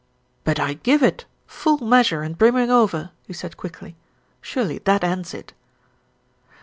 "But I give it full measure and brimming over," he said quickly. "Surely that ends it."